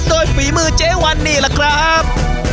โดยฝีมือเจ๊วันนี่แหละครับ